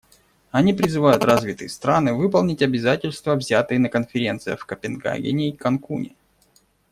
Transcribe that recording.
Они призывают развитые страны выполнить обязательства, взятые на конференциях в Копенгагене и Канкуне.